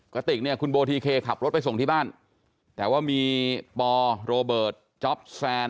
ติกเนี่ยคุณโบทีเคขับรถไปส่งที่บ้านแต่ว่ามีปอโรเบิร์ตจ๊อปแซน